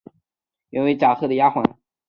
原为贾赦的丫环。